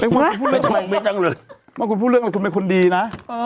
ว่าคุณพูดเรื่องอะไรคุณเป็นคนดีนะ